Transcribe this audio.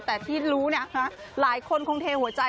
แต่ที่รู้เนี่ยหลายคนคงเทหัวใจ